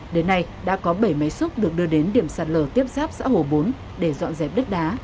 đến nay đã có bảy máy xúc được đưa đến điểm sạt lở tiếp giáp xã hồ bốn để dọn dẹp đất đá